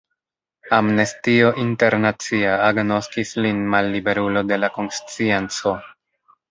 Amnestio Internacia agnoskis lin malliberulo de la konscienco.